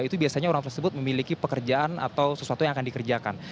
itu biasanya orang tersebut memiliki pekerjaan atau sesuatu yang akan dikerjakan